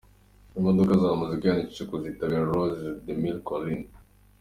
Imodoka zamaze kwiyandikisha kuzitabira Rallye des Mille Collines.